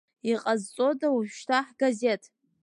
Иҟазҵода уажәшьҭа ҳгазеҭ?